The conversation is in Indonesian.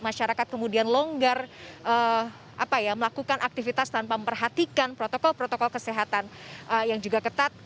masyarakat kemudian longgar melakukan aktivitas tanpa memperhatikan protokol protokol kesehatan yang juga ketat